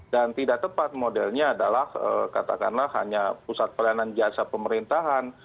dan tidak tepat modelnya adalah katakanlah hanya pusat pelayanan jasa pemerintahan